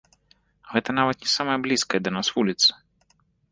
Гэта нават не самая блізкая да нас вуліца.